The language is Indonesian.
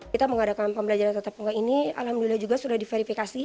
kita mengadakan pembelajaran tetap muka ini alhamdulillah juga sudah diverifikasi